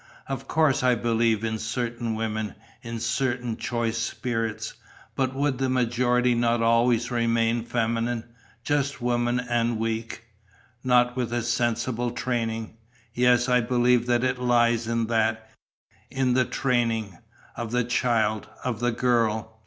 Of course I believe in certain women, in certain choice spirits. But would the majority not always remain feminine, just women and weak?" "Not with a sensible training." "Yes, I believe that it lies in that, in the training...." "Of the child, of the girl."